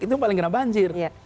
itu paling kena banjir